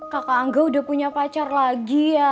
kakak angga udah punya pacar lagi ya